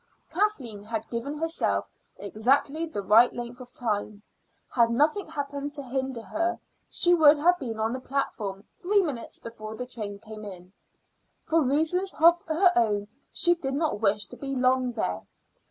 Kathleen had given herself exactly the right length of time. Had nothing happened to hinder her, she would have been on the platform three minutes before the train came in. For reasons of her own she did not wish to be long there.